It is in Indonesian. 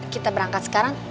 kita berangkat sekarang